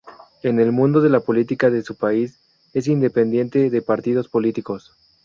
En el mundo de la política de su país, es independiente de partidos políticos.